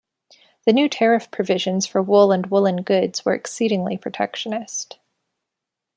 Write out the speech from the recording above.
The new tariff provisions for wool and woolen goods were exceedingly protectionist.